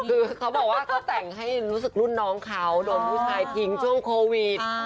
คือเขาบอกว่าเขาแต่งให้รู้สึกรุ่นน้องเขาโดนผู้ชายทิ้งช่วงโควิด